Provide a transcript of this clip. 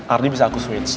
ardi bisa aku switch